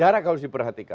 jarak harus diperhatikan